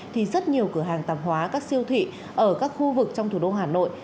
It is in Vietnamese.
thì rất nhiều cửa hàng tạp hóa các siêu thị ở các khu vực trong thủ đô hà nội